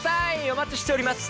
お待ちしております。